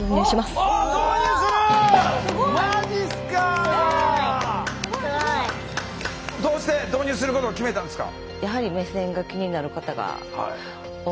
すごいすごい。どうして導入することを決めたんですか？